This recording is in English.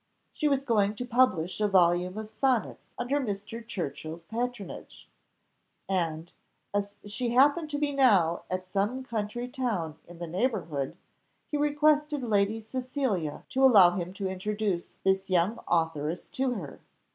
She was going to publish a volume of Sonnets under Mr. Churchill's patronage, and, as she happened to be now at some country town in the neighbourhood, he requested Lady Cecilia to allow him to introduce this young authoress to her.